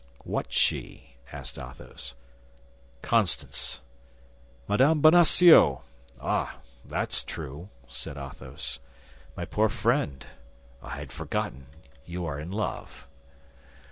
"What she?" asked Athos. "Constance." "Madame Bonacieux! Ah, that's true!" said Athos. "My poor friend, I had forgotten you were in love."